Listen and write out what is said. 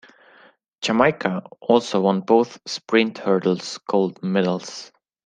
Jamaica also won both sprint hurdles gold medals.